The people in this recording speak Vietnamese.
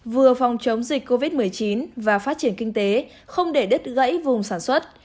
vừa phòng chống dịch covid một mươi chín và phát triển kinh tế không để đứt gãy vùng sản xuất